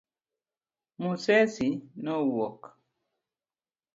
Musesi nowuok